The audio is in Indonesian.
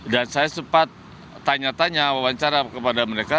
dan saya sempat tanya tanya wawancara kepada mereka